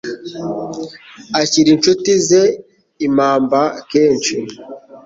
Ashyira inshuti ze impamba kenshi.